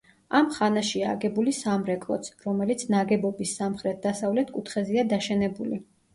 ამ ხანაშია აგებული სამრეკლოც, რომელიც ნაგებობის სამხრეთ-დასავლეთ კუთხეზეა დაშენებული.